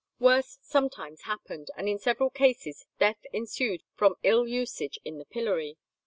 Worse sometimes happened, and in several cases death ensued from ill usage in the pillory.